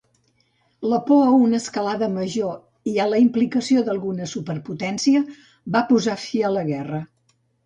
La por a una escalada major i a la implicació d'alguna superpotència va posar fi a la guerra.